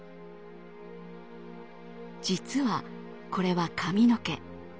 実はこれは髪の毛。